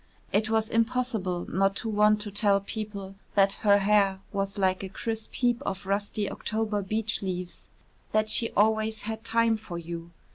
It was impossible not to want to tell people that her hair was like a crisp heap of rusty October beech leaves, that she always had time for you.